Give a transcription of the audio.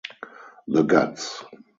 The Guts!